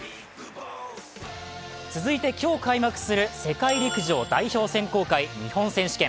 続いて、今日開幕する世界陸上代表選考会・日本選手権。